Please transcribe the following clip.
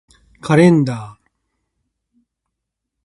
カレンダー